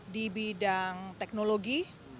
di bidang teknologi